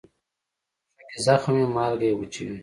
که پښه کې زخم وي، مالګه یې وچوي.